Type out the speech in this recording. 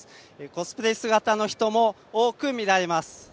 コスプレ姿の人も多く見られます。